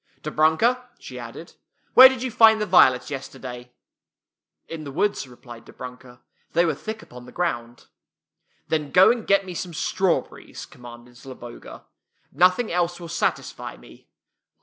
Dobrunka/' she added, " where did you find the violets yes terday? "" In the woods," replied Dobrunka. " They were thick upon the ground." " Then go and get me some strawberries," commanded Zloboga. " Nothing else will satisfy me."